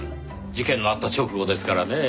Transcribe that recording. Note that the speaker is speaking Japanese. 事件のあった直後ですからねぇ。